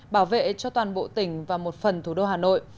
bảo vệ cho toàn bộ tỉnh và một phần thủ đô hà nội